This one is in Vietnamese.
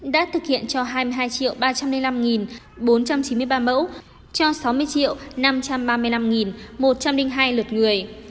đã thực hiện cho hai mươi hai ba trăm linh năm bốn trăm chín mươi ba mẫu cho sáu mươi năm trăm ba mươi năm một trăm linh hai lượt người